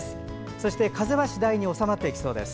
そして風は次第に収まりそうです。